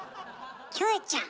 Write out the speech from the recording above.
キョエちゃん！